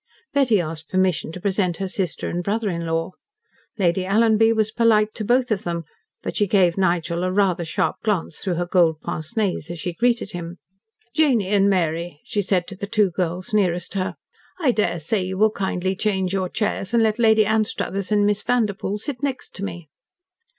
Betty asked permission to present her sister and brother in law. Lady Alanby was polite to both of them, but she gave Nigel a rather sharp glance through her gold pince nez as she greeted him. "Janey and Mary," she said to the two girls nearest her, "I daresay you will kindly change your chairs and let Lady Anstruthers and Miss Vanderpoel sit next to me."